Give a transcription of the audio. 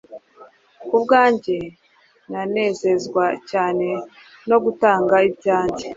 Ku bwanjye nanezezwa cyane no gutanga ibyanjye,